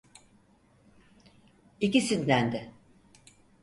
İkisinden de.